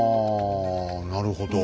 あなるほど。